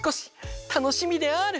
たのしみである！